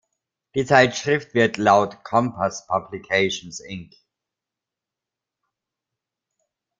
Die Zeitschrift wird laut "Compass Publications Inc.